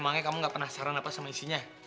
emangnya kamu gak penasaran apa sama isinya